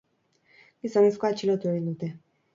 Gizonezkoa atxilotu egin dute.